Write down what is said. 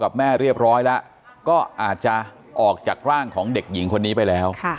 กับแม่เรียบร้อยแล้วก็อาจจะออกจากร่างของเด็กหญิงคนนี้ไปแล้ว